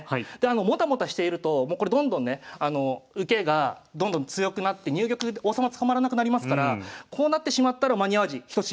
もたもたしているともうこれどんどんね受けがどんどん強くなって入玉王様捕まらなくなりますからこうなってしまったら「間に合わじ仁茂」